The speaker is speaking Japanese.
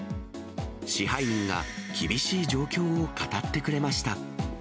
支配人が厳しい状況を語ってくれました。